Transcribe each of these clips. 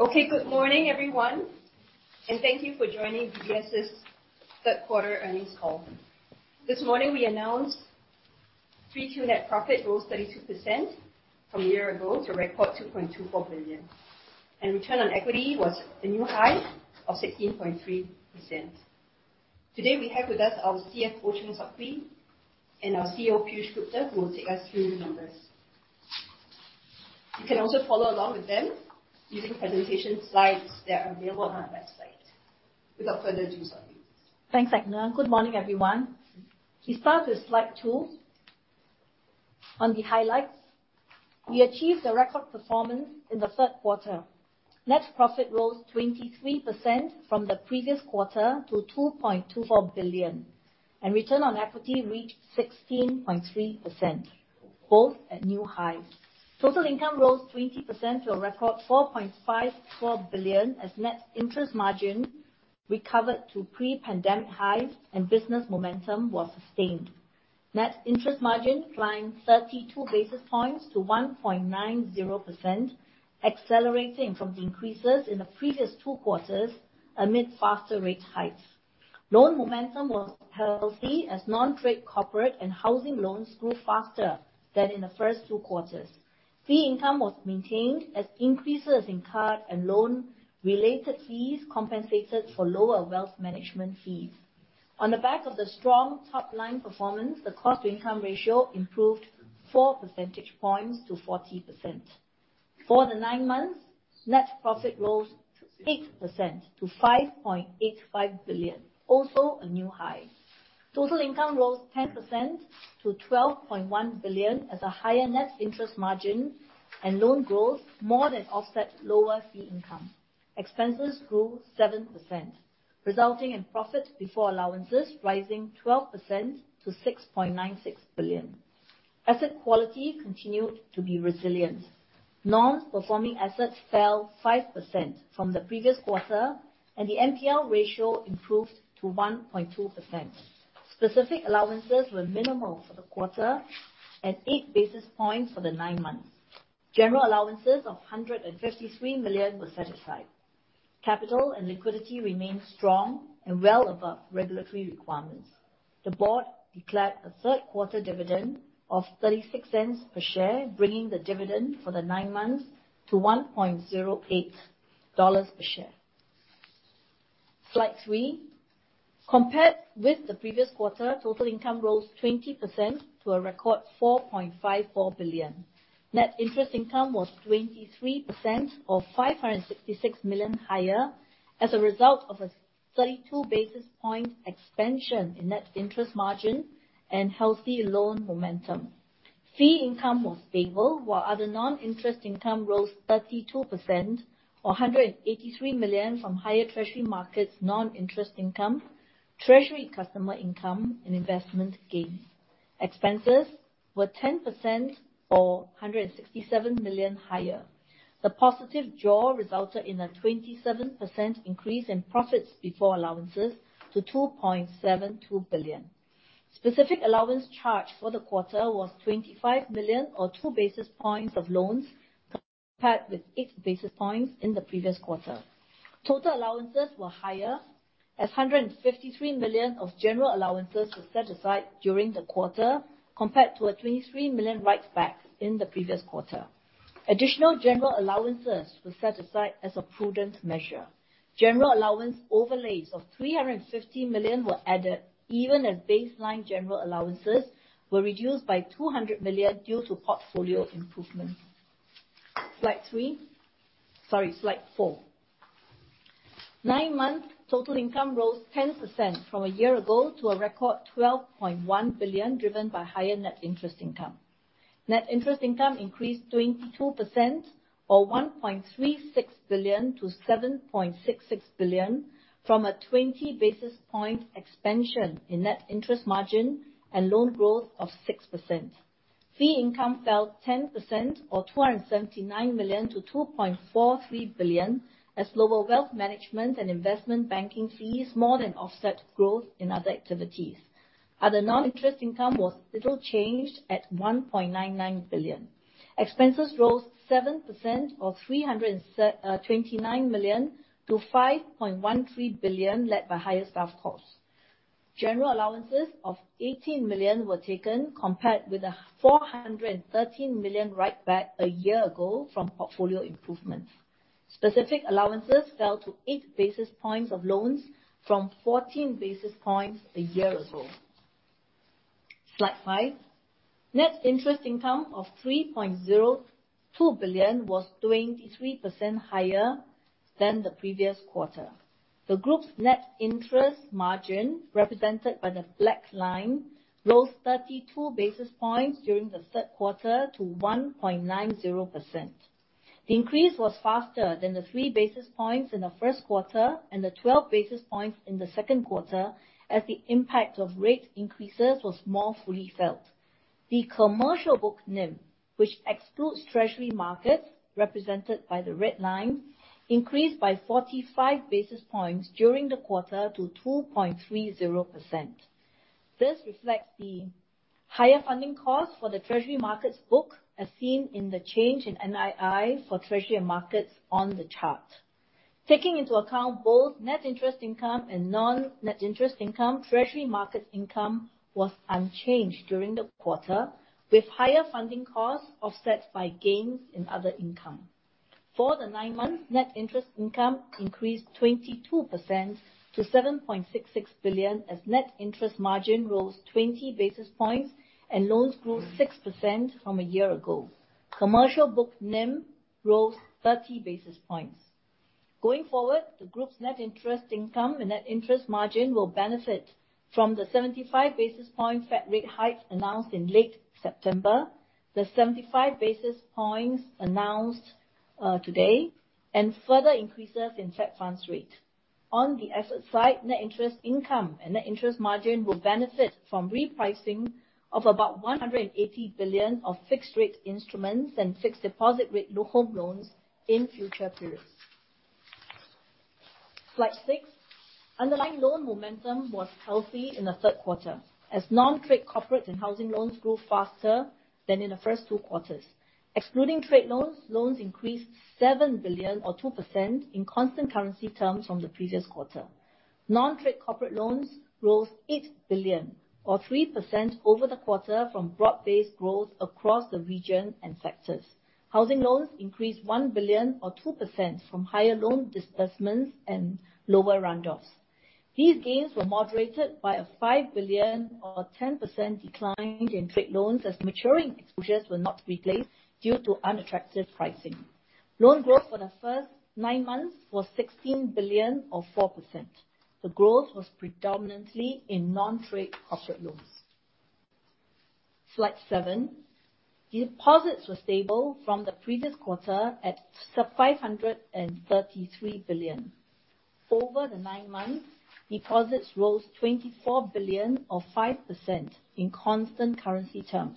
Okay, good morning, everyone, and thank you for joining DBS' Third Quarter Earnings Call. This morning, we announced Q3 net profit rose 32% from a year ago to a record 2.24 billion. Return on equity was a new high of 16.3%. Today we have with us our CFO, Chng Sok Hui, and our CEO, Piyush Gupta, who will take us through the numbers. You can also follow along with them using presentation slides that are available on our website. Without further ado, Sok Hui. Thanks, Agnes. Good morning, everyone. We start with slide two. On the highlights, we achieved a record performance in the third quarter. Net profit rose 23% from the previous quarter to 2.24 billion, and return on equity reached 16.3%, both at new highs. Total income rose 20% to a record 4.54 billion as net interest margin recovered to pre-pandemic highs and business momentum was sustained. Net interest margin climbed 32 basis points to 1.90%, accelerating from the increases in the previous two quarters amid faster rate hikes. Loan momentum was healthy as non-trade corporate and housing loans grew faster than in the first two quarters. Fee income was maintained as increases in card and loan-related fees compensated for lower wealth management fees. On the back of the strong top-line performance, the cost-to-income ratio improved 4 percentage points to 40%. For the nine months, net profit rose 8% to 5.85 billion, also a new high. Total income rose 10% to 12.1 billion as a higher net interest margin and loan growth more than offset lower fee income. Expenses grew 7%, resulting in profit before allowances rising 12% to 6.96 billion. Asset quality continued to be resilient. Non-performing assets fell 5% from the previous quarter, and the NPL ratio improved to 1.2%. Specific allowances were minimal for the quarter and 8 basis points for the nine months. General allowances of 153 million were set aside. Capital and liquidity remains strong and well above regulatory requirements. The board declared a third quarter dividend of 0.36 per share, bringing the dividend for the nine months to 1.08 dollars per share. Slide 3. Compared with the previous quarter, total income rose 20% to a record SGD 4.54 billion. Net interest income was 23% or SGD 566 million higher as a result of a 32 basis point expansion in net interest margin and healthy loan momentum. Fee income was stable while other non-interest income rose 32% or 183 million from higher treasury markets non-interest income, treasury customer income and investment gains. Expenses were 10% or 167 million higher. The positive jaw resulted in a 27% increase in profits before allowances to 2.72 billion. Specific allowance charge for the quarter was 25 million or 2 basis points of loans, compared with 8 basis points in the previous quarter. Total allowances were higher as 153 million of general allowances were set aside during the quarter, compared to a 23 million write back in the previous quarter. Additional general allowances were set aside as a prudent measure. General allowance overlays of 350 million were added, even as baseline general allowances were reduced by 200 million due to portfolio improvement. Slide four. Nine-month total income rose 10% from a year ago to a record 12.1 billion, driven by higher net interest income. Net interest income increased 22% or 1.36 billion to 7.66 billion from a 20 basis point expansion in net interest margin and loan growth of 6%. Fee income fell 10% or 279 million to 2.43 billion as global wealth management and investment banking fees more than offset growth in other activities. Other non-interest income was little changed at 1.99 billion. Expenses rose 7% or 329 million to 5.13 billion led by higher staff costs. General allowances of 18 million were taken, compared with a 413 million write back a year ago from portfolio improvements. Specific allowances fell to 8 basis points of loans from 14 basis points a year ago. Slide 5. Net interest income of 3.02 billion was 23% higher than the previous quarter. The group's net interest margin, represented by the black line, rose 32 basis points during the third quarter to 1.90%. The increase was faster than the 3 basis points in the first quarter and the 12 basis points in the second quarter as the impact of rate increases was more fully felt. The commercial book NIM, which excludes treasury markets, represented by the red line, increased by 45 basis points during the quarter to 2.30%. This reflects the higher funding costs for the treasury markets book, as seen in the change in NII for treasury and markets on the chart. Taking into account both net interest income and non-net interest income, treasury market income was unchanged during the quarter, with higher funding costs offset by gains in other income. For the nine months, net interest income increased 22% to 7.66 billion, as net interest margin rose 20 basis points and loans grew 6% from a year ago. Commercial book NIM rose 30 basis points. Going forward, the group's net interest income and net interest margin will benefit from the 75 basis points Fed rate hike announced in late September, the 75 basis points announced today, and further increases in Fed funds rate. On the asset side, net interest income and net interest margin will benefit from repricing of about 180 billion of fixed rate instruments and fixed deposit rate home loans in future periods. Slide 6. Underlying loan momentum was healthy in the third quarter as non-trade corporate and housing loans grew faster than in the first two quarters. Excluding trade loans increased 7 billion or 2% in constant currency terms from the previous quarter. Non-trade corporate loans rose 8 billion or 3% over the quarter from broad-based growth across the region and sectors. Housing loans increased 1 billion or 2% from higher loan disbursements and lower runoffs. These gains were moderated by a 5 billion or 10% decline in trade loans as maturing exposures were not replaced due to unattractive pricing. Loan growth for the first nine months was 16 billion or 4%. The growth was predominantly in non-trade corporate loans. Slide 7. Deposits were stable from the previous quarter at 533 billion. Over the nine months, deposits rose 24 billion or 5% in constant currency terms.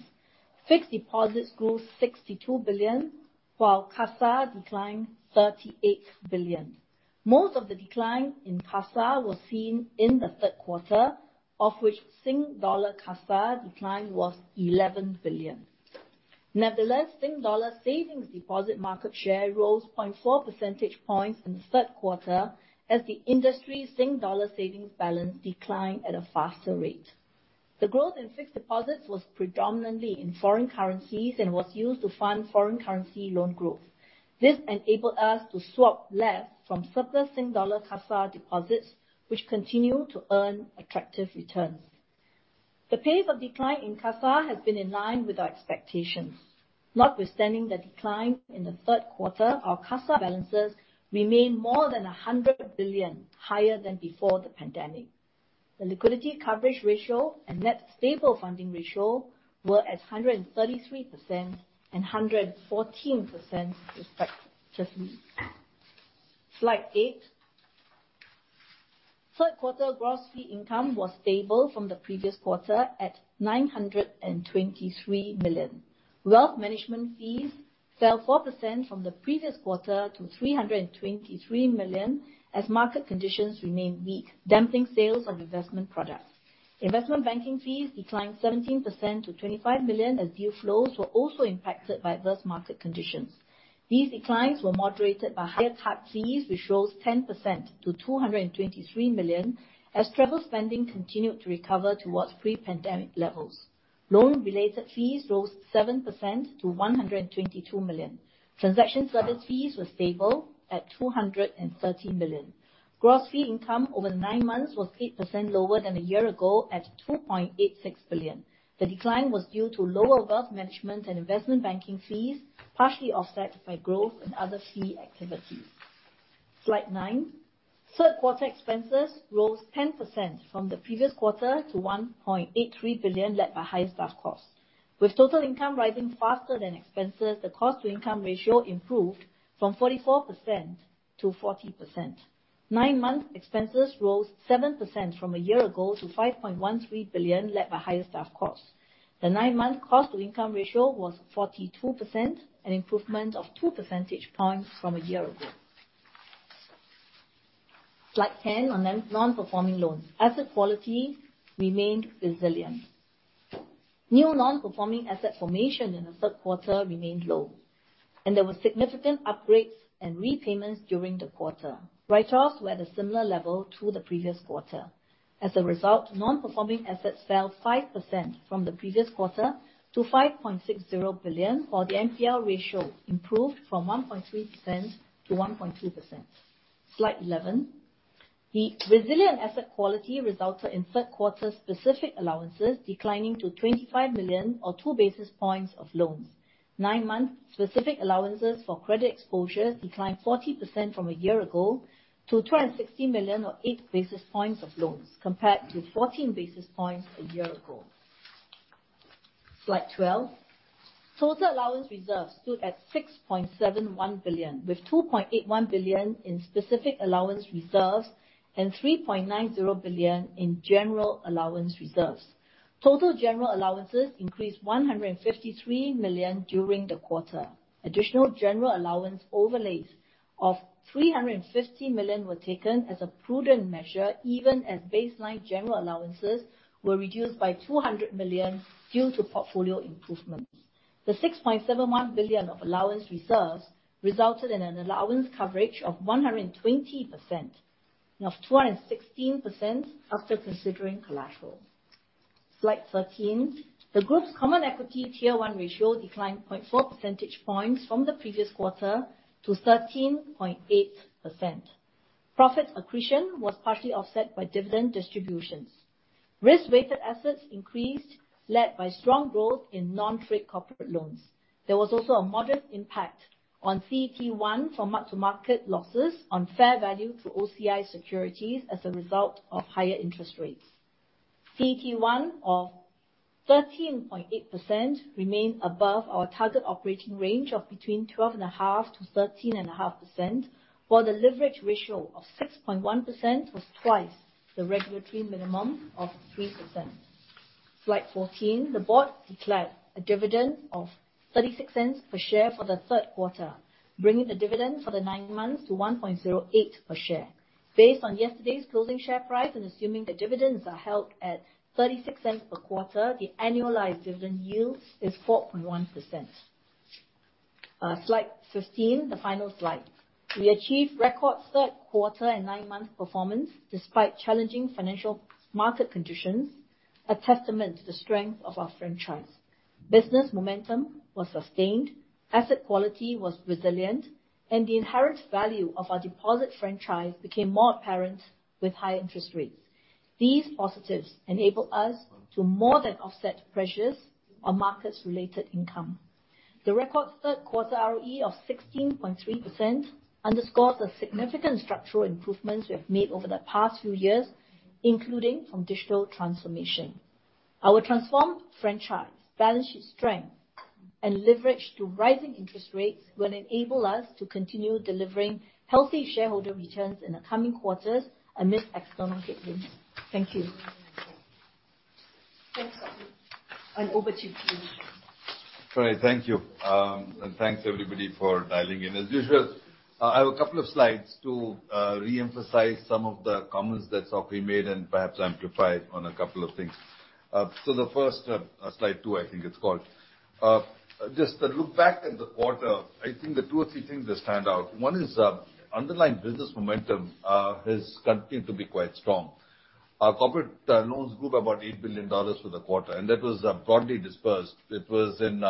Fixed deposits grew 62 billion, while CASA declined 38 billion. Most of the decline in CASA was seen in the third quarter, of which Sing Dollar CASA decline was 11 billion. Nevertheless, Sing Dollar savings deposit market share rose 0.4 percentage points in the third quarter as the industry Sing Dollar savings balance declined at a faster rate. The growth in fixed deposits was predominantly in foreign currencies and was used to fund foreign currency loan growth. This enabled us to swap less from surplus Sing Dollar CASA deposits, which continue to earn attractive returns. The pace of decline in CASA has been in line with our expectations. Notwithstanding the decline in the third quarter, our CASA balances remain more than 100 billion higher than before the pandemic. The liquidity coverage ratio and net stable funding ratio were at 133% and 114%, respectively. Slide 8. Third quarter gross fee income was stable from the previous quarter at 923 million. Wealth management fees fell 4% from the previous quarter to 323 million as market conditions remained weak, dampening sales of investment products. Investment banking fees declined 17% to 25 million as deal flows were also impacted by adverse market conditions. These declines were moderated by higher card fees, which rose 10% to 223 million as travel spending continued to recover towards pre-pandemic levels. Loan-related fees rose 7% to 122 million. Transaction service fees were stable at 213 million. Gross fee income over 9 months was 8% lower than a year ago at 2.86 billion. The decline was due to lower wealth management and investment banking fees, partially offset by growth in other fee activities. Slide 9. Third quarter expenses rose 10% from the previous quarter to 1.83 billion, led by higher staff costs. With total income rising faster than expenses, the cost to income ratio improved from 44% to 40%. Nine-month expenses rose 7% from a year ago to 5.13 billion, led by higher staff costs. The nine-month cost to income ratio was 42%, an improvement of two percentage points from a year ago. Slide 10 on the non-performing loans. Asset quality remained resilient. New non-performing asset formation in the third quarter remained low, and there was significant upgrades and repayments during the quarter. Write-offs were at a similar level to the previous quarter. As a result, non-performing assets fell 5% from the previous quarter to 5.60 billion, while the NPL ratio improved from 1.3% to 1.2%. Slide 11. The resilient asset quality resulted in third quarter specific allowances declining to 25 million or 2 basis points of loans. Nine-month specific allowances for credit exposure declined 40% from a year ago to 260 million or 8 basis points of loans, compared to 14 basis points a year ago. Slide 12. Total allowance reserves stood at 6.71 billion, with 2.81 billion in specific allowance reserves and 3.90 billion in general allowance reserves. Total general allowances increased 153 million during the quarter. Additional general allowance overlays of 350 million were taken as a prudent measure, even as baseline general allowances were reduced by 200 million due to portfolio improvements. The 6.71 billion of allowance reserves resulted in an allowance coverage of 120%, and of 216% after considering collateral. Slide 13. The group's Common Equity Tier 1 ratio declined 0.4 percentage points from the previous quarter to 13.8%. Profit accretion was partially offset by dividend distributions. Risk-weighted assets increased, led by strong growth in non-trade corporate loans. There was also a moderate impact on CET1 from mark-to-market losses on fair value through OCI securities as a result of higher interest rates. CET1 of 13.8% remained above our target operating range of between 12.5%-13.5%, while the leverage ratio of 6.1% was twice the regulatory minimum of 3%. Slide 14. The board declared a dividend of 0.36 per share for the third quarter, bringing the dividend for the nine months to 1.08 per share. Based on yesterday's closing share price and assuming that dividends are held at 0.36 per quarter, the annualized dividend yield is 4.1%. Slide 15, the final slide. We achieved record third quarter and nine-month performance despite challenging financial market conditions, a testament to the strength of our franchise. Business momentum was sustained, asset quality was resilient, and the inherent value of our deposit franchise became more apparent with higher interest rates. These positives enabled us to more than offset pressures on markets related income. The record third quarter ROE of 16.3% underscores the significant structural improvements we have made over the past few years, including from digital transformation. Our transformed franchise, balance sheet strength, and leverage to rising interest rates will enable us to continue delivering healthy shareholder returns in the coming quarters amidst external headwinds. Thank you. Thanks, Sok Hui. Over to you, Piyush. All right, thank you. Thanks everybody for dialing in. As usual, I have a couple of slides to re-emphasize some of the comments that Sok Hui made and perhaps amplify on a couple of things. The first slide 2, I think it's called. Just to look back at the quarter, I think the 2 or 3 things that stand out, one is underlying business momentum has continued to be quite strong. Our corporate loans grew by about $8 billion for the quarter, and that was broadly dispersed. It was in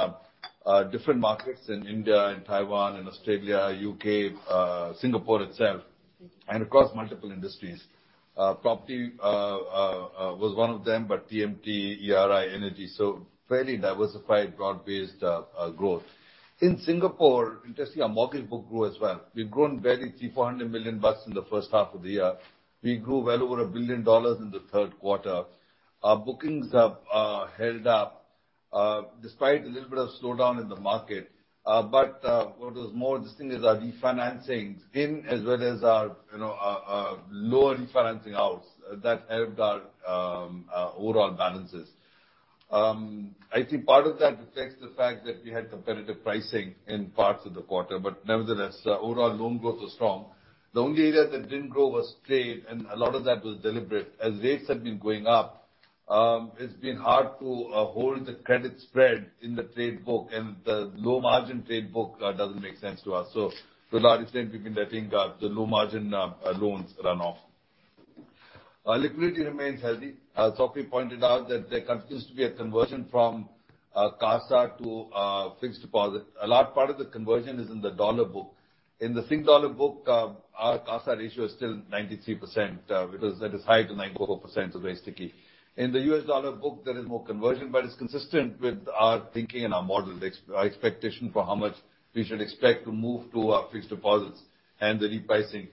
different markets in India and Taiwan and Australia, UK, Singapore itself, and across multiple industries. Property was one of them, but TMT, ERI, energy, so fairly diversified, broad-based growth. In Singapore, you can see our mortgage book grew as well. We've grown barely 300-400 million bucks in the first half of the year. We grew well over 1 billion dollars in the third quarter. Our bookings have held up despite a little bit of slowdown in the market. What was more interesting is our refinancings in as well as our, you know, our lower refinancing outs that helped our overall balances. I think part of that reflects the fact that we had competitive pricing in parts of the quarter, but nevertheless, overall loan growth was strong. The only area that didn't grow was trade, and a lot of that was deliberate. As rates have been going up, it's been hard to hold the credit spread in the trade book, and the low margin trade book doesn't make sense to us. To a large extent, we've been letting the low margin loans run off. Our liquidity remains healthy. Sok Hui pointed out that there continues to be a conversion from CASA to fixed deposit. A large part of the conversion is in the dollar book. In the Sing Dollar book, our CASA ratio is still 93%, because that is high to 94%, so very sticky. In the U.S. dollar book, there is more conversion, but it's consistent with our thinking and our model, as our expectation for how much we should expect to move to our fixed deposits and the repricing.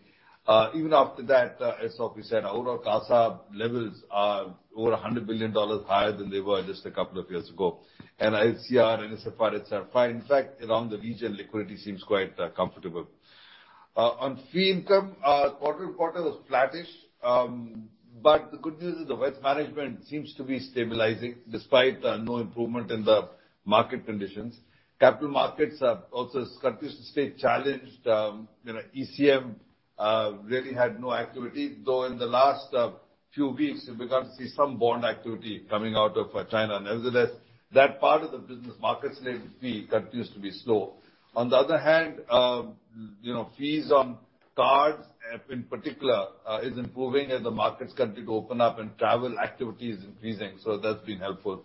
Even after that, as Chng Sok Hui said, our overall CASA levels are over $100 billion higher than they were just a couple of years ago. I see our NSFRs are fine. In fact, around the region, liquidity seems quite comfortable. On fee income, quarter to quarter was flattish. But the good news is the wealth management seems to be stabilizing despite no improvement in the market conditions. Capital markets are also continues to stay challenged. You know, ECM really had no activity, though in the last few weeks, we've begun to see some bond activity coming out of China. Nevertheless, that part of the business markets related fee continues to be slow. On the other hand, you know, fees on cards, in particular, is improving as the markets continue to open up and travel activity is increasing, so that's been helpful.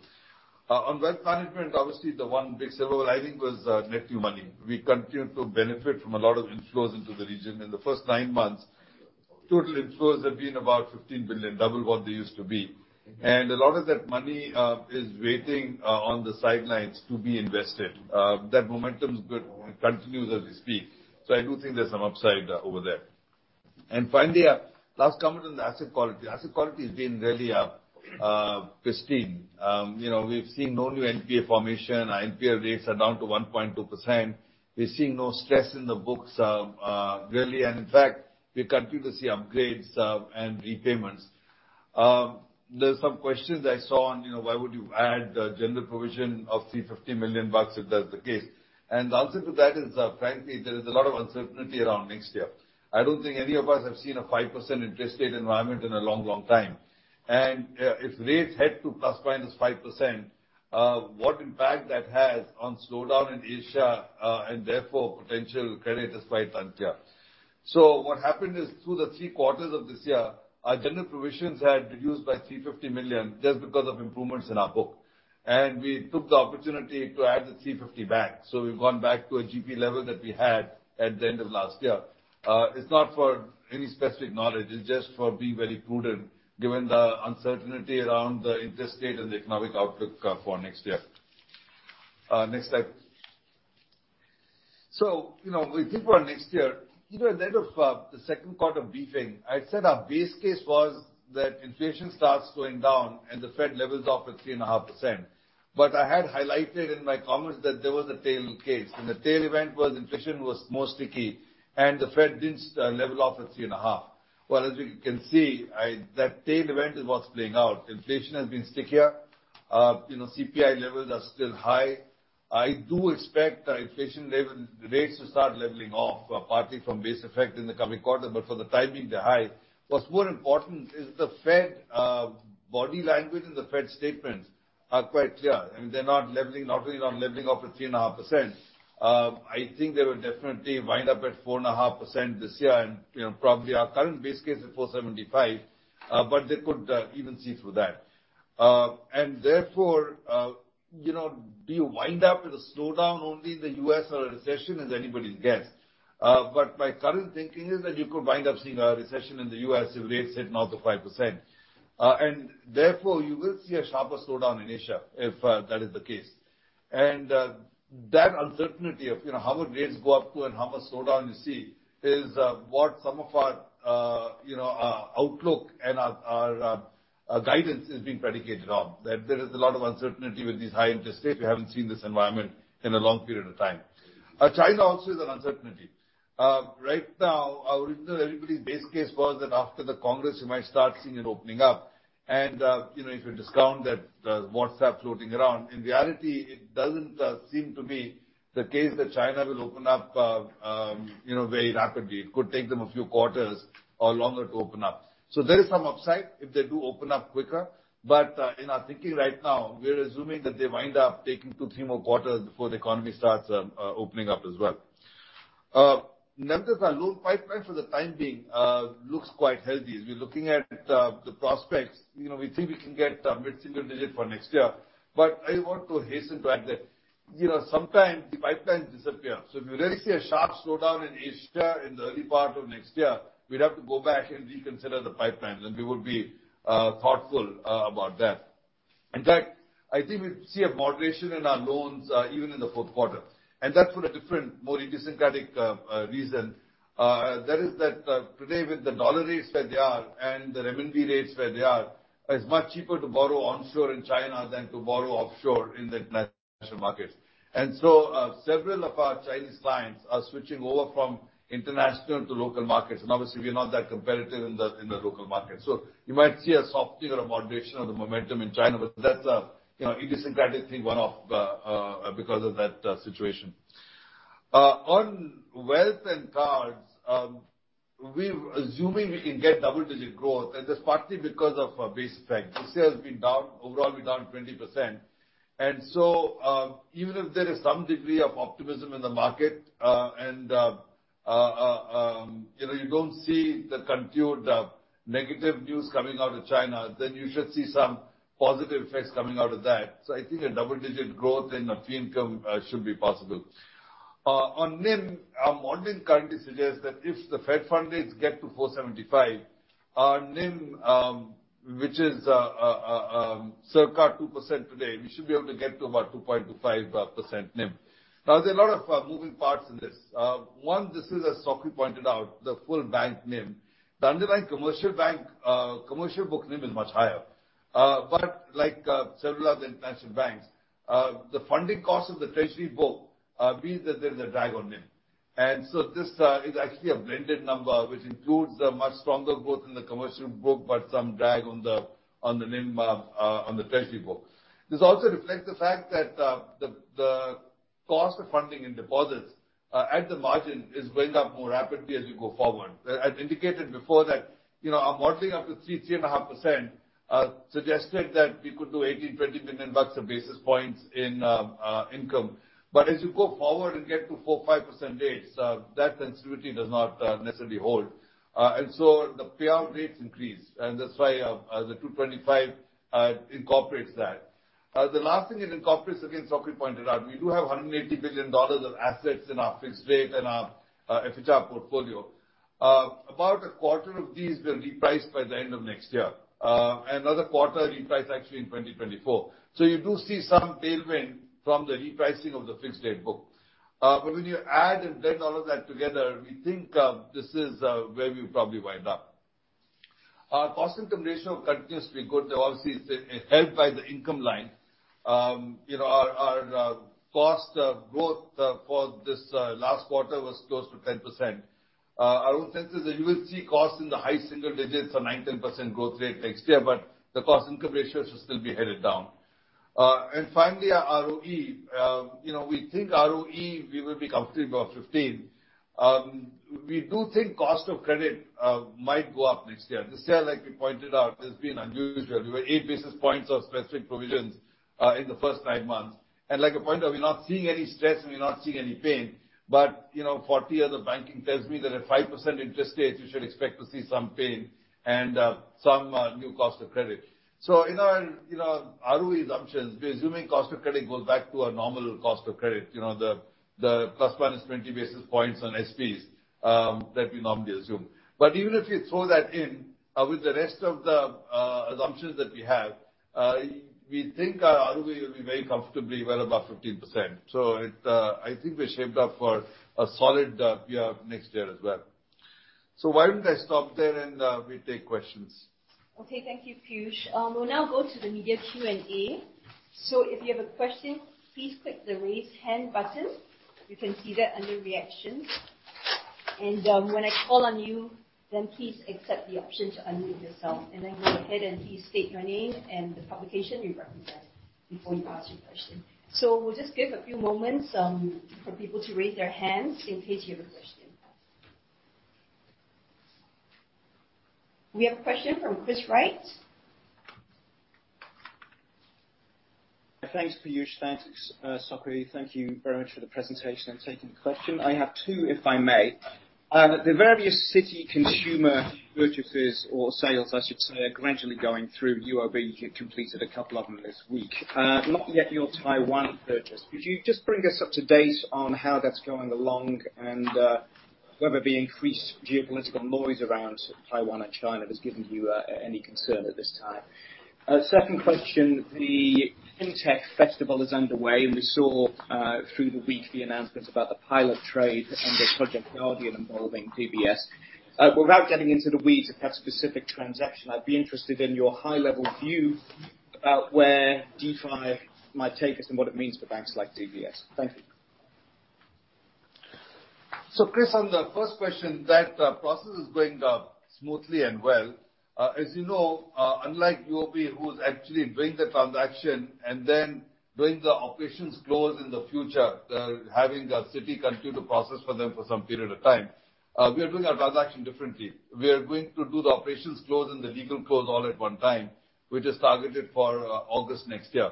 On wealth management, obviously the one big silver lining was net new money. We continue to benefit from a lot of inflows into the region. In the first nine months, total inflows have been about 15 billion, double what they used to be. And a lot of that money is waiting on the sidelines to be invested. That momentum is good and continues as we speak. So I do think there's some upside over there. And finally, last comment on the asset quality. Asset quality has been really pristine. You know, we've seen no new NPA formation. Our NPA rates are down to 1.2%. We're seeing no stress in the books, really. In fact, we continue to see upgrades and repayments. There's some questions I saw on, you know, why would you add the general provision of 350 million bucks if that's the case? The answer to that is, frankly, there is a lot of uncertainty around next year. I don't think any of us have seen a 5% interest rate environment in a long, long time. If rates head to ±5%, what impact that has on slowdown in Asia and therefore potential credit stress in India. What happened is through the three quarters of this year, our general provisions had reduced by 350 million just because of improvements in our book. We took the opportunity to add the 350 million back. We've gone back to a GP level that we had at the end of last year. It's not for any specific knowledge. It's just for being very prudent given the uncertainty around the interest rate and the economic outlook for next year. Next slide. You know, we think for next year, even at the end of the second quarter briefing, I said our base case was that inflation starts going down and the Fed levels off at 3.5%. But I had highlighted in my comments that there was a tail case, and the tail event was inflation was more sticky, and the Fed didn't level off at 3.5%. Well, as we can see, that tail event is what's playing out. Inflation has been stickier. You know, CPI levels are still high. I do expect rates to start leveling off partly from base effect in the coming quarter, but for the time being, they're high. What's more important is the Fed body language and the Fed statements are quite clear, and they're not really leveling off at 3.5%. I think they will definitely wind up at 4.5% this year and, you know, probably our current base case at 4.75%, but they could even see through that. You know, do you wind up with a slowdown only in the U.S. or a recession is anybody's guess. My current thinking is that you could wind up seeing a recession in the U.S. if rates head north of 5%. Therefore, you will see a sharper slowdown in Asia if that is the case. That uncertainty of, you know, how would rates go up to and how much slowdown you see is what some of our, you know, our outlook and our guidance is being predicated on. That there is a lot of uncertainty with these high interest rates. We haven't seen this environment in a long period of time. China also is an uncertainty. Right now, our original everybody's base case was that after the Congress, you might start seeing it opening up. You know, if you discount that, WhatsApp floating around, in reality, it doesn't seem to be the case that China will open up, you know, very rapidly. It could take them a few quarters or longer to open up. There is some upside if they do open up quicker. In our thinking right now, we're assuming that they wind up taking 2, 3 more quarters before the economy starts opening up as well. Numbers are low. Pipeline for the time being looks quite healthy. As we're looking at the prospects, you know, we think we can get a mid-single digit for next year. I want to hasten to add that, you know, sometimes the pipelines disappear. If you really see a sharp slowdown in Asia in the early part of next year, we'd have to go back and reconsider the pipelines, and we would be thoughtful about that. In fact, I think we see a moderation in our loans, even in the fourth quarter, and that's for a different, more idiosyncratic, reason. That is that, today with the dollar rates where they are and the renminbi rates where they are, it's much cheaper to borrow onshore in China than to borrow offshore in the international markets. Several of our Chinese clients are switching over from international to local markets, and obviously we're not that competitive in the local market. You might see a softening or moderation of the momentum in China, but that's a, you know, idiosyncratic thing, one-off, because of that, situation. On wealth and cards, we're assuming we can get double-digit growth, and that's partly because of base effect. This year has been down overall 20%. Even if there is some degree of optimism in the market, and you know, you don't see the continued negative news coming out of China, then you should see some positive effects coming out of that. I think a double-digit growth in our fee income should be possible. On NIM, our modeling currently suggests that if the Fed fund rates get to 4.75, our NIM, which is circa 2% today, we should be able to get to about 2.25% NIM. Now, there are a lot of moving parts in this. One, this is, as Sok Hui pointed out, the full bank NIM. The underlying commercial bank commercial book NIM is much higher. Like several other international banks, the funding cost of the treasury book means that there's a drag on NIM. This is actually a blended number which includes a much stronger growth in the commercial book, but some drag on the NIM on the treasury book. This also reflects the fact that the cost of funding in deposits at the margin is going up more rapidly as you go forward. I've indicated before that, you know, our modeling up to 3.5% suggested that we could do $18-$20 billion of basis points in income. As you go forward and get to 4-5% rates, that sensitivity does not necessarily hold. The payout rates increase, and that's why the 2.25 incorporates that. The last thing it incorporates, again, Sok Hui pointed out, we do have $180 billion of assets in our fixed rate and our FHR portfolio. About a quarter of these will reprice by the end of next year. Another quarter reprice actually in 2024. You do see some tailwind from the repricing of the fixed rate book. But when you add and blend all of that together, we think this is where we'll probably wind up. Our cost income ratio continues to be good. Obviously, it's helped by the income line. You know, our cost of growth for this last quarter was close to 10%. Our own sense is that you will see costs in the high single digits or 9, 10% growth rate next year, but the cost income ratios will still be headed down. Finally, our ROE. You know, we think ROE we will be comfortable above 15. We do think cost of credit might go up next year. This year, like we pointed out, has been unusual. We were 8 basis points of specific provisions in the first 9 months. Like I pointed out, we're not seeing any stress and we're not seeing any pain. You know, 40 years of banking tells me that at 5% interest rates, you should expect to see some pain and some new cost of credit. In our, you know, ROE assumptions, we're assuming cost of credit goes back to our normal cost of credit, you know, the plus or minus 20 basis points on SPs that we normally assume. Even if you throw that in, with the rest of the assumptions that we have, we think our ROE will be very comfortably well above 15%. I think we're shaped up for a solid year next year as well. Why don't I stop there and we take questions? Okay. Thank you, Piyush. We'll now go to the media Q&A. If you have a question, please click the Raise Hand button. You can see that under Reactions. When I call on you, then please accept the option to unmute yourself. Then go ahead, and please state your name and the publication you represent before you ask your question. We'll just give a few moments for people to raise their hands in case you have a question. We have a question from Chris Wright. Thanks, Piyush. Thanks, Sok Hui. Thank you very much for the presentation. I'm taking a question. I have two, if I may. The various Citi consumer purchases or sales, I should say, are gradually going through. UOB completed a couple of them this week. Not yet your Taiwan purchase. Could you just bring us up to date on how that's going along and whether the increased geopolitical noise around Taiwan and China has given you any concern at this time? Second question, the FinTech Festival is underway, and we saw through the week the announcements about the pilot trade and the Project Guardian involving DBS. Without getting into the weeds of that specific transaction, I'd be interested in your high level view about where DeFi might take us and what it means for banks like DBS. Thank you. Chris, on the first question, that process is going smoothly and well. As you know, unlike UOB who's actually doing the transaction and then doing the operational close in the future, having Citi continue the process for them for some period of time, we are doing our transaction differently. We are going to do the operational close and the legal close all at one time. We're just targeted for August next year.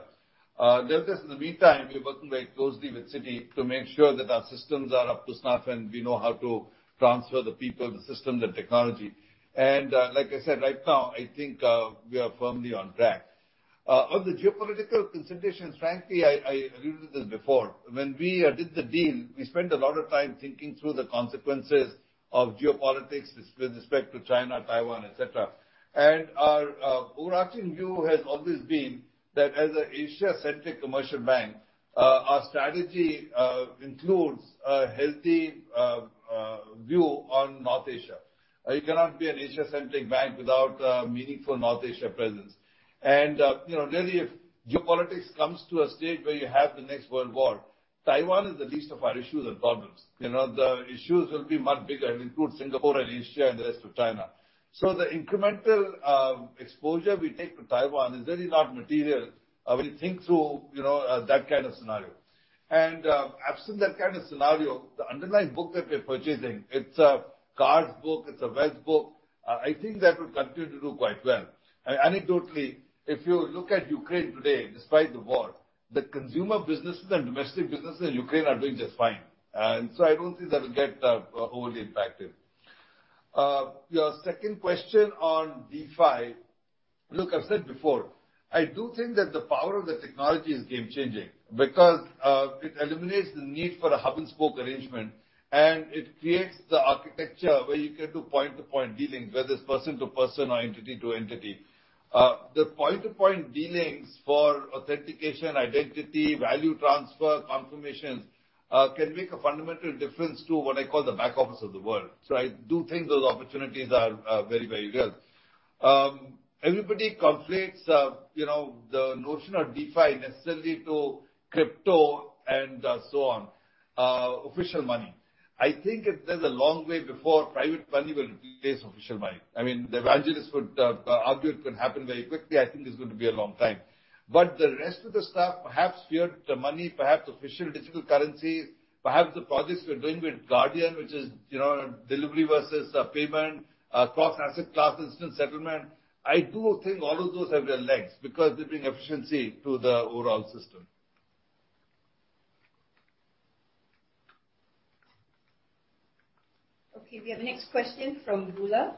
In the meantime, we're working very closely with Citi to make sure that our systems are up to snuff and we know how to transfer the people, the systems and technology. Like I said, right now I think we are firmly on track. On the geopolitical considerations, frankly, I alluded to this before. When we did the deal, we spent a lot of time thinking through the consequences of geopolitics with respect to China, Taiwan, et cetera. Our overarching view has always been that as an Asia-centric commercial bank, our strategy includes a healthy view on North Asia. You cannot be an Asia-centric bank without a meaningful North Asia presence. You know, really if geopolitics comes to a state where you have the next World War, Taiwan is the least of our issues and problems. You know, the issues will be much bigger and include Singapore and India and the rest of China. The incremental exposure we take to Taiwan is really not material when you think through, you know, that kind of scenario. Absent that kind of scenario, the underlying book that we're purchasing, it's a cards book, it's a wealth book, I think that will continue to do quite well. Anecdotally, if you look at Ukraine today, despite the war, the consumer businesses and domestic businesses in Ukraine are doing just fine. I don't think that will get wholly impacted. Your second question on DeFi. Look, I've said before, I do think that the power of the technology is game changing because it eliminates the need for a hub and spoke arrangement, and it creates the architecture where you can do point-to-point dealings, whether it's person to person or entity to entity. The point-to-point dealings for authentication, identity, value transfer, confirmations can make a fundamental difference to what I call the back office of the world. I do think those opportunities are very real. Everybody conflates, you know, the notion of DeFi necessarily to crypto and so on, official money. I think there's a long way before private money will replace official money. I mean, the evangelists would argue it could happen very quickly. I think it's going to be a long time. The rest of the stuff, perhaps fiat money, perhaps official digital currencies, perhaps the projects we're doing with Guardian, which is, you know, delivery versus payment, cross asset class instant settlement, I do think all of those have real legs because they bring efficiency to the overall system. Okay. We have next question from Vula.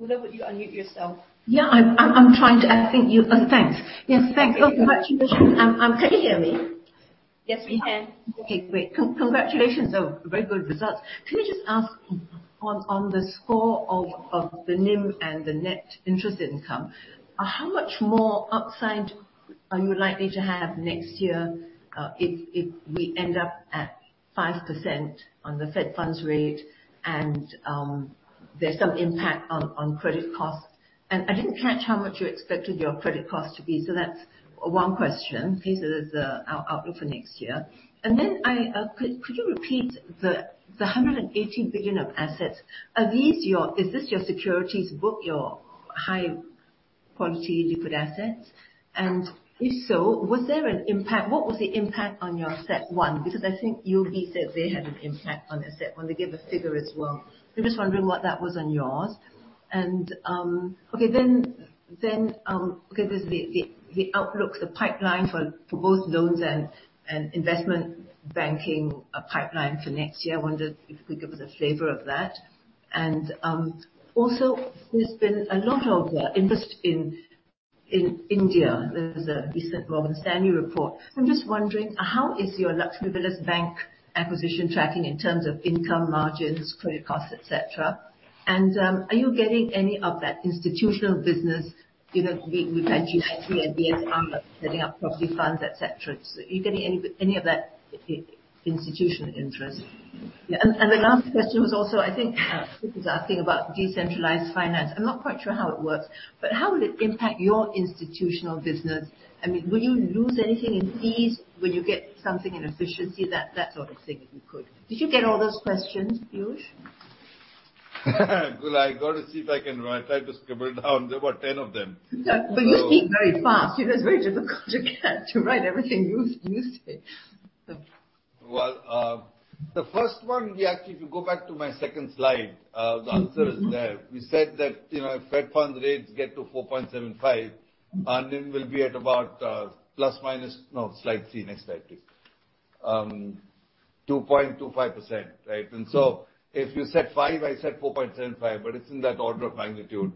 Vula, would you unmute yourself? Yeah, I'm trying to. Oh, thanks. Yes, thanks so much. Can you hear me? Yes, we can. Okay, great. Congratulations on very good results. Can I just ask on the score of the NIM and the net interest income, how much more upside are you likely to have next year, if we end up at 5% on the Fed funds rate and there's some impact on credit costs. I didn't catch how much you expected your credit cost to be, so that's one question. Please give us the outlook for next year. Then could you repeat the 180 billion of assets, are these your securities book, your high-quality liquid assets? If so, was there an impact? What was the impact on your CET1 plan? Because I think UOB said they had an impact on their CET1 plan. They gave a figure as well. I'm just wondering what that was on yours. The outlook, the pipeline for both loans and investment banking pipeline for next year. I wondered if you could give us a flavor of that. Also, there's been a lot of interest in India. There was a recent Morgan Stanley report. I'm just wondering, how is your Lakshmi Vilas Bank acquisition tracking in terms of income margins, credit costs, et cetera? Are you getting any of that institutional business, you know, with ICICI and VM funding, setting up property funds, et cetera. Are you getting any of that institutional interest? The last question was also, I think, this is asking about decentralized finance. I'm not quite sure how it works, but how would it impact your institutional business? I mean, would you lose anything in fees? Would you get something in efficiency? That sort of thing, if you could. Did you get all those questions, Piyush? Well, I gotta see if I can write. I tried to scribble down. There were 10 of them. You speak very fast. It is very difficult to get, to write everything you say. Well, the first one, we actually, if you go back to my second slide, the answer is there. We said that, you know, if Fed funds rates get to 4.75, London will be at about 2.25%, right? If you said 5, I said 4.75, but it's in that order of magnitude.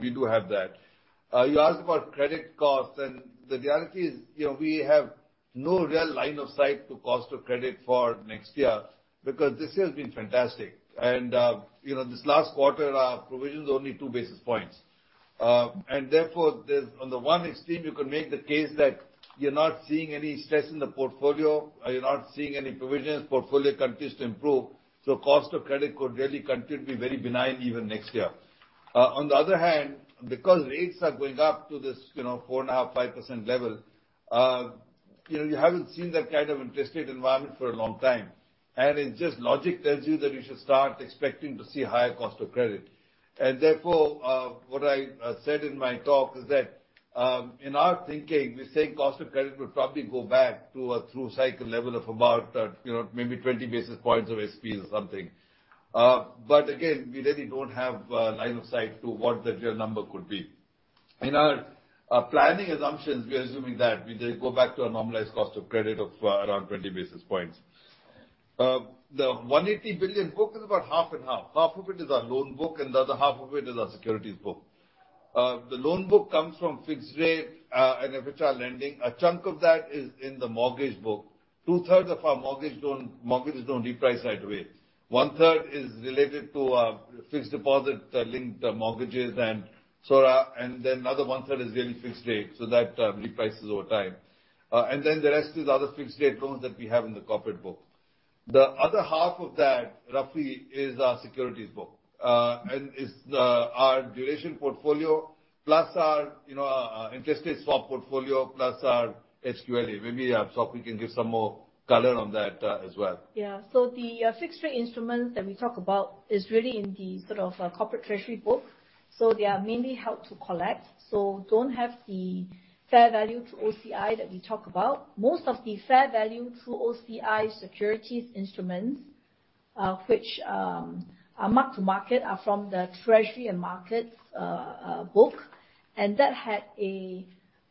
We do have that. You asked about credit costs and the reality is, you know, we have no real line of sight to cost of credit for next year because this year has been fantastic. You know, this last quarter, our provisions only 2 basis points. On the one extreme, you could make the case that you're not seeing any stress in the portfolio, you're not seeing any provisions, portfolio continues to improve. Cost of credit could really continue to be very benign even next year. On the other hand, because rates are going up to this, you know, 4.5% level, you know, you haven't seen that kind of interest rate environment for a long time. It's just logic tells you that you should start expecting to see higher cost of credit. What I said in my talk is that, in our thinking, we think cost of credit will probably go back to a through cycle level of about, you know, maybe 20 basis points of RWAs or something. We really don't have a line of sight to what that real number could be. In our planning assumptions, we are assuming that we go back to a normalized cost of credit of around 20 basis points. The 180 billion book is about half and half. Half of it is our loan book and the other half of it is our securities book. The loan book comes from fixed rate and FHR lending. A chunk of that is in the mortgage book. Two-thirds of our mortgages don't reprice right away. One-third is related to fixed deposit-linked mortgages and SORA, and then another one-third is really fixed rate, so that reprices over time. The rest is other fixed rate loans that we have in the corporate book. The other half of that, roughly, is our securities book. It's our duration portfolio plus our, you know, interest rate swap portfolio plus our HQLA. Maybe, Chng Sok Hui can give some more color on that, as well. Yeah. The fixed rate instruments that we talk about is really in the sort of corporate treasury book. They are mainly held to collect, so don't have the fair value to OCI that we talk about. Most of the fair value to OCI securities instruments, which are mark to market are from the treasury and markets book, and that had a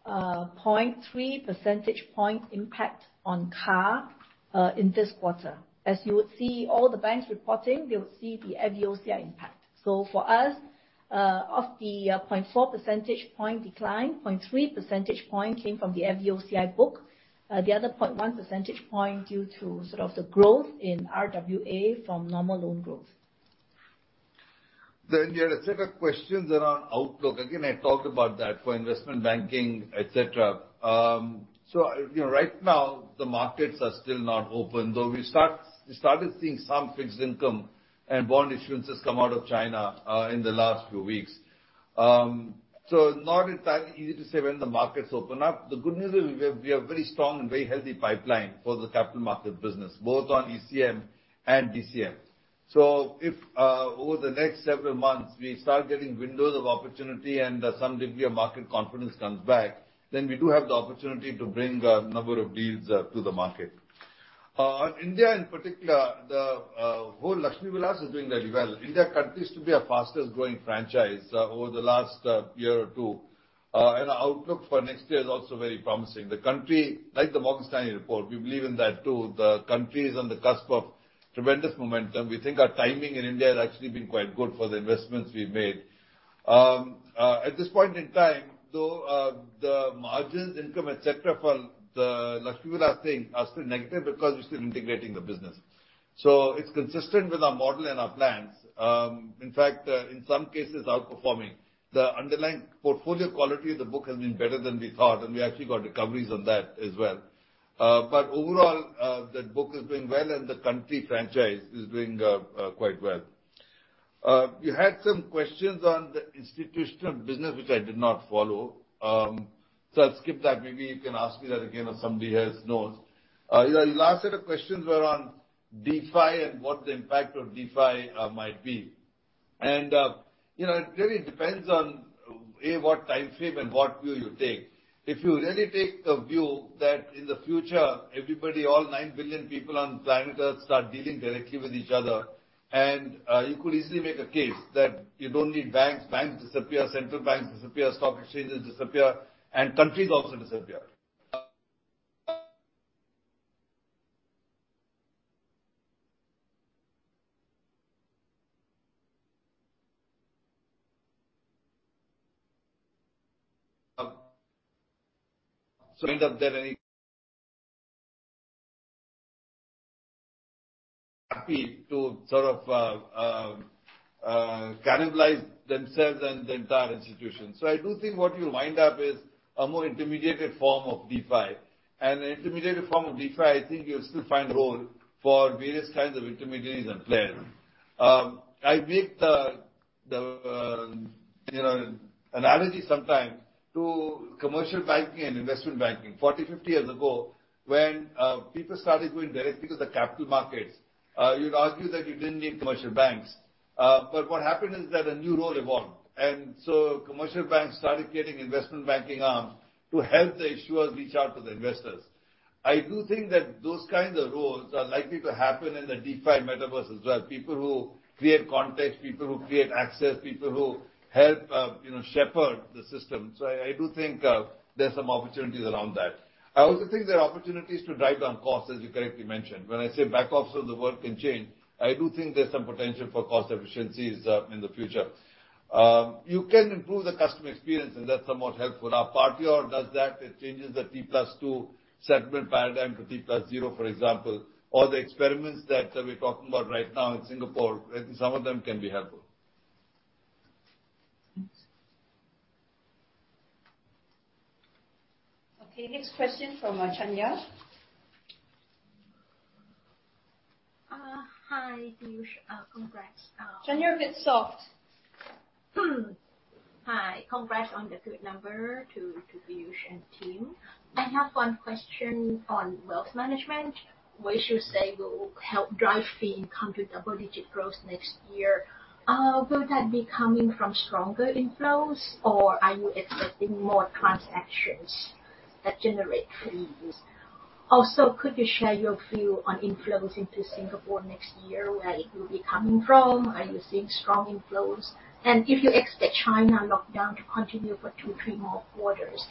0.3 percentage point impact on CAR in this quarter. As you would see all the banks reporting, they would see the FVOCI impact. For us, of the 0.4 percentage point decline, 0.3 percentage point came from the FVOCI book. The other 0.1 percentage point due to sort of the growth in RWA from normal loan growth. You had a set of questions around outlook. Again, I talked about that for investment banking, et cetera. You know, right now, the markets are still not open, though we started seeing some fixed income and bond issuances come out of China in the last few weeks. Not entirely easy to say when the markets open up. The good news is we have very strong and very healthy pipeline for the capital market business, both on ECM and DCM. If over the next several months, we start getting windows of opportunity and some degree of market confidence comes back, then we do have the opportunity to bring a number of deals to the market. India in particular, the whole Lakshmi Vilas Bank is doing very well. India continues to be our fastest growing franchise over the last year or two. Our outlook for next year is also very promising. The country, like the Morgan Stanley report, we believe in that too. The country is on the cusp of tremendous momentum. We think our timing in India has actually been quite good for the investments we've made. At this point in time, though, the margins, income, et cetera, for the Lakshmi Vilas Bank are still negative because we're still integrating the business. It's consistent with our model and our plans. In fact, in some cases outperforming. The underlying portfolio quality of the book has been better than we thought, and we actually got recoveries on that as well. Overall, the book is doing well and the country franchise is doing quite well. You had some questions on the institutional business, which I did not follow. I'll skip that. Maybe you can ask me that again or somebody else knows. Your last set of questions were on DeFi and what the impact of DeFi might be. You know, it really depends on what time frame and what view you take. If you really take the view that in the future everybody, all 9 billion people on planet Earth start dealing directly with each other, you could easily make a case that you don't need banks. Banks disappear, central banks disappear, stock exchanges disappear, and countries also disappear. In the end, they're happy to sort of cannibalize themselves and the entire institution. I do think what you wind up is a more intermediated form of DeFi. An intermediated form of DeFi, I think you'll still find role for various kinds of intermediaries and players. I make the you know, analogy sometimes to commercial banking and investment banking. 40, 50 years ago, when people started going directly to the capital markets, you'd argue that you didn't need commercial banks. What happened is that a new role evolved. Commercial banks started getting investment banking arms to help the issuers reach out to the investors. I do think that those kinds of roles are likely to happen in the DeFi metaverse as well. People who create context, people who create access, people who help you know, shepherd the system. I do think there's some opportunities around that. I also think there are opportunities to drive down costs, as you correctly mentioned. When I say back office of the world can change, I do think there's some potential for cost efficiencies in the future. You can improve the customer experience, and that's somewhat helpful. Now, Partior does that. It changes the T+2 settlement paradigm to T+0, for example. All the experiments that we're talking about right now in Singapore, I think some of them can be helpful. Okay, next question from Chanya. Hi, Piyush. Congrats. Chanyaporn Chanjaroen from Bloomberg. Hi. Congrats on the good number to Piyush and team. I have one question on wealth management, which you say will help drive fee income to double-digit growth next year. Will that be coming from stronger inflows, or are you expecting more transactions that generate fees? Also, could you share your view on inflows into Singapore next year, where it will be coming from? Are you seeing strong inflows? If you expect China lockdown to continue for 2, 3 more quarters,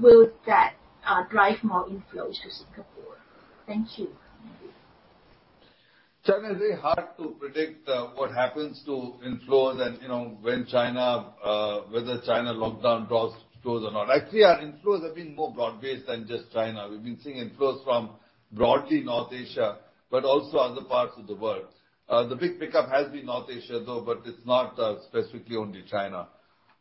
will that drive more inflows to Singapore? Thank you. Chanya, it's very hard to predict what happens to inflows and, you know, when China whether China lockdown draws close or not. Actually, our inflows have been more broad-based than just China. We've been seeing inflows from broadly North Asia, but also other parts of the world. The big pickup has been North Asia, though, but it's not specifically only China.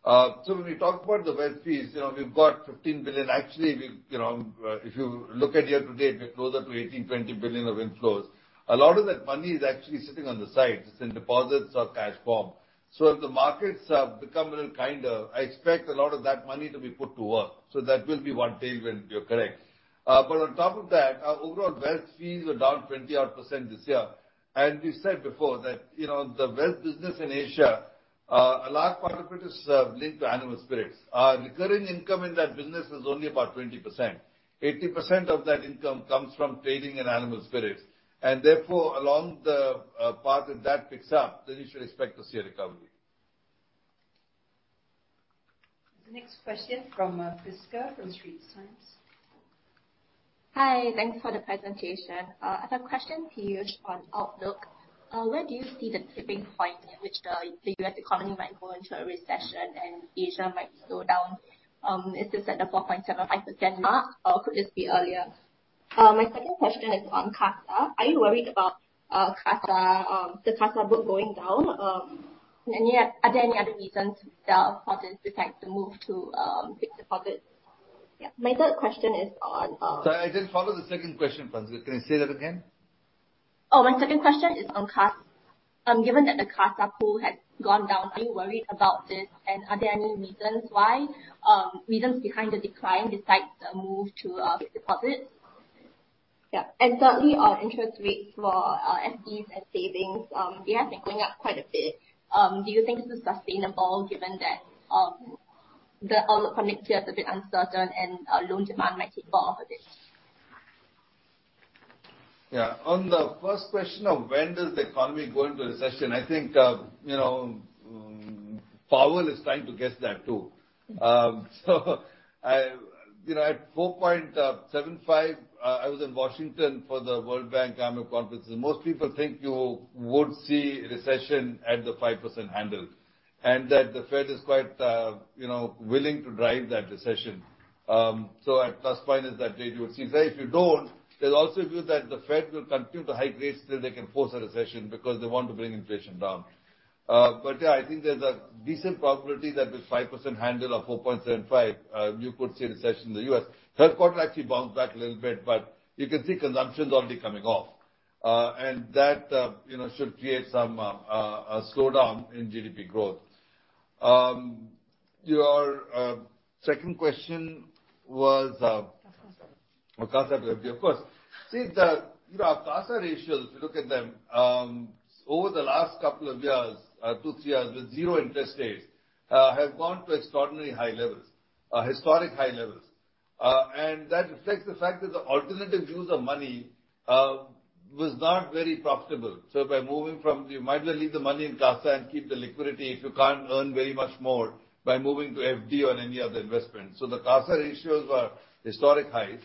So when we talk about the wealth fees, you know, we've got 15 billion. Actually, we've, you know, if you look at year to date, we're closer to 18-20 billion of inflows. A lot of that money is actually sitting on the side. It's in deposits or cash form. So if the markets have become a little kinder, I expect a lot of that money to be put to work. So that will be one tailwind, you're correct. On top of that, our overall wealth fees were down 20-odd% this year. As we said before that, you know, the wealth business in Asia, a large part of it is linked to animal spirits. Our recurring income in that business is only about 20%. 80% of that income comes from trading and animal spirits. Therefore, along the path that picks up, then you should expect to see a recovery. The next question from Prisca from Street Signs. Hi. Thanks for the presentation. I have a question, Piyush, on outlook. Where do you see the tipping point in which the U.S. economy might go into a recession and Asia might slow down? Is this at the 4.75% mark, or could this be earlier? My second question is on CASA. Are you worried about CASA, the CASA book going down? And yet, are there any other reasons that causes this like the move to fixed deposits? Yeah. My third question is on, Sorry, I didn't follow the second question, Prisca. Can you say that again? Oh, my second question is on CASA. Given that the CASA pool has gone down, are you worried about this? Are there any reasons why, reasons behind the decline besides the move to fixed deposits? Yeah. Certainly on interest rates for FDs and savings, they have been going up quite a bit. Do you think this is sustainable given that the outlook for next year is a bit uncertain and loan demand might take off a bit? Yeah. On the first question of when does the economy go into recession, I think, you know, Powell is trying to guess that too. I, you know, at 4.75, I was in Washington for the World Bank annual conference, and most people think you would see recession at the 5% handle. That the Fed is quite, you know, willing to drive that recession. A plus point is that they do it. See, if they don't, they'll also view that the Fed will continue to hike rates till they can force a recession, because they want to bring inflation down. Yeah, I think there's a decent probability that with 5% handle or 4.75, you could see a recession in the US. Third quarter actually bounced back a little bit, but you can see consumption's already coming off. That, you know, should create some slowdown in GDP growth. Your second question was CASA. Oh, CASA. Of course. See the, you know, CASA ratios, if you look at them, over the last couple of years, two, three years with zero interest rates, have gone to extraordinary high levels, historic high levels. That reflects the fact that the alternative use of money was not very profitable. Leave the money in CASA and keep the liquidity if you can't earn very much more by moving to FD or any other investment. The CASA ratios are historic highs.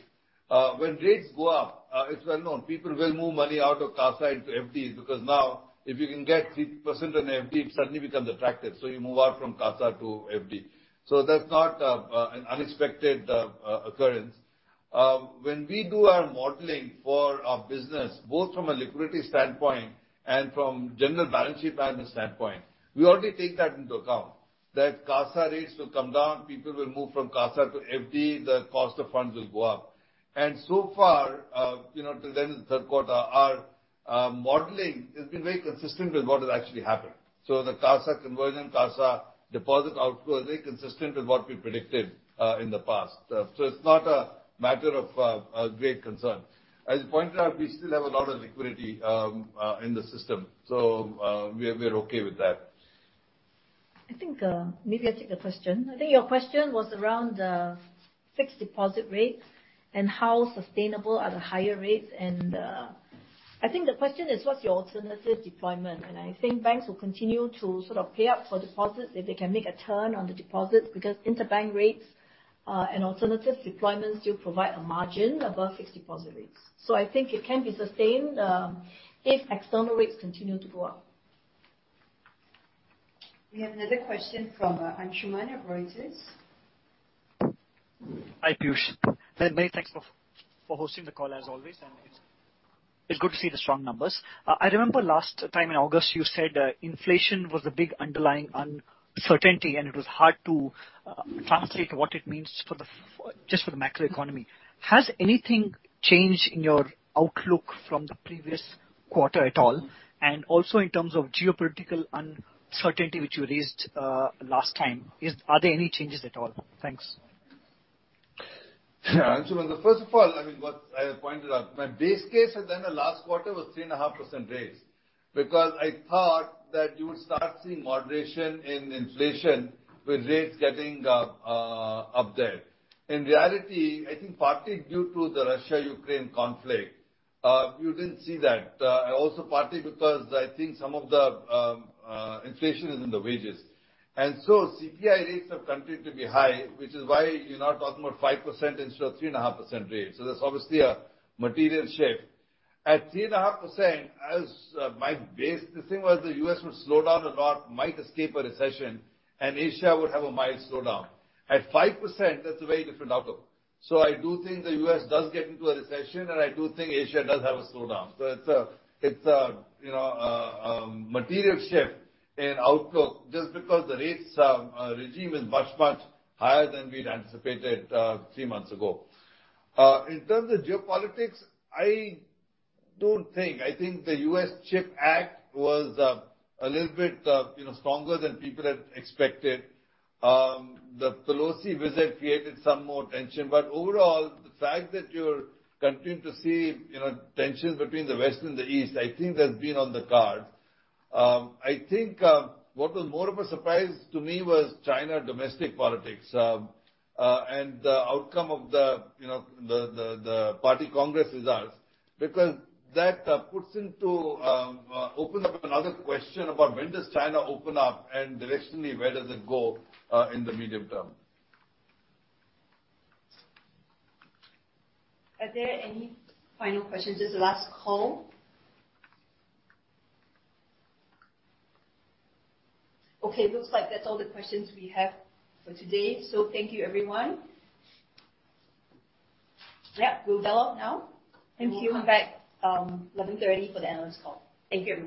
When rates go up, it's well known, people will move money out of CASA into FD because now if you can get 3% on FD, it suddenly becomes attractive. You move out from CASA to FD. That's not an unexpected occurrence. When we do our modeling for our business, both from a liquidity standpoint and from general balance sheet management standpoint, we already take that into account, that CASA rates will come down, people will move from CASA to FD, the cost of funds will go up. So far, you know, till the end of the third quarter, our modeling has been very consistent with what has actually happened. The CASA conversion, CASA deposit outflow is very consistent with what we predicted in the past. It's not a matter of great concern. As you pointed out, we still have a lot of liquidity in the system, so we're okay with that. I think maybe I take the question. I think your question was around the fixed deposit rates and how sustainable are the higher rates, and I think the question is what's your alternative deployment? I think banks will continue to sort of pay up for deposits if they can make a turn on the deposits because interbank rates and alternative deployments do provide a margin above fixed deposit rates. I think it can be sustained if external rates continue to go up. We have another question from Anshuman at Reuters. Hi, Piyush. Many thanks for hosting the call as always, and it's good to see the strong numbers. I remember last time in August you said inflation was a big underlying uncertainty, and it was hard to translate what it means for just the macro economy. Has anything changed in your outlook from the previous quarter at all? Also in terms of geopolitical uncertainty which you raised last time. Are there any changes at all? Thanks. Yeah. Anshuman, first of all, I mean, what I pointed out, my base case and then the last quarter was 3.5% raise because I thought that you would start seeing moderation in inflation with rates getting up there. In reality, I think partly due to the Russia-Ukraine conflict, you didn't see that. Also partly because I think some of the inflation is in the wages. CPI rates have continued to be high, which is why you're now talking about 5% instead of 3.5% raise. There's obviously a material shift. At 3.5%, as my base, the thing was the U.S. would slow down a lot, might escape a recession, and Asia would have a mild slowdown. At 5%, that's a very different outlook. I do think the U.S. does get into a recession, and I do think Asia does have a slowdown. It's a you know a material shift in outlook just because the rates regime is much much higher than we'd anticipated three months ago. In terms of geopolitics, I think the CHIPS and Science Act was a little bit you know stronger than people had expected. The Pelosi visit created some more tension, but overall, the fact that you're continuing to see you know tensions between the West and the East, I think that's been on the cards. I think what was more of a surprise to me was China domestic politics and the outcome of the you know the Party Congress results. Because that opens up another question about when does China open up and directionally where does it go in the medium term? Are there any final questions? This is the last call. Okay, looks like that's all the questions we have for today. Thank you everyone. Yeah, we'll dial out now. Thank you. We'll come back 11:30 for the analyst call. Thank you, everyone.